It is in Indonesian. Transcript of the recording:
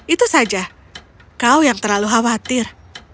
itu saja kau yang terlalu khawatir